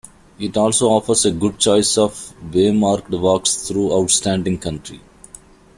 It also offers a good choice of waymarked walks through outstanding country.